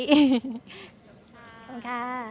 ขอบคุณค่ะ